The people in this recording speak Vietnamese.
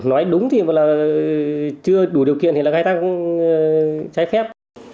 còn nói đúng thì mà là chưa đủ điều kiện thì là khai thác trái phép